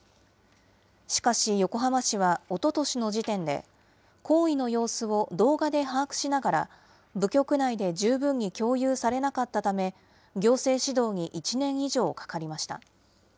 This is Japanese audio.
しかし、横浜市はおととしの時点で、行為の様子を動画で把握しながら、部局内で十分に共有されなかったため、行政指導に１年以上かかりました。